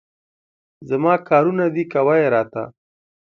زما کارونه دي، کوه یې راته.